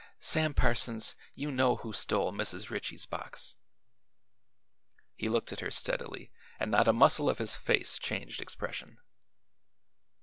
"Sam Parsons, you know who stole Mrs. Ritchie's box." He looked at her steadily and not a muscle of his face changed expression.